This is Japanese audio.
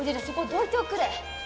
そこをどいておくれ。